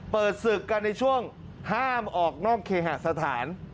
เปิดศึกกันในช่วงห้ามออกนอกเคหสถาน